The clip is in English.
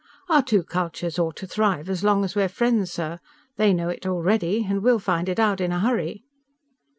Our two cultures ought to thrive as long as we're friends, sir. They know it already and we'll find it out in a hurry!"